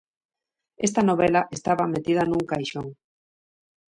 Esta novela estaba metida nun caixón.